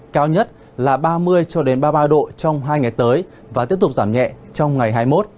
cao nhất là ba mươi cho đến ba mươi ba độ trong hai ngày tới và tiếp tục giảm nhẹ trong ngày hai mươi một